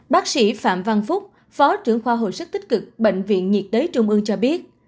bác sĩ phạm văn phúc phó trưởng khoa hồi sức tích cực bệnh viện nhiệt đới trung ương cho biết